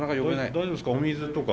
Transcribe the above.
大丈夫ですか？